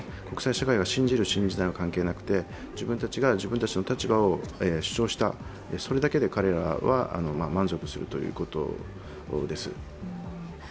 国際社会が信じる、信じないは関係ないとして自分たちが自分たちの立場を主張した、それだけで彼らは満足するということです。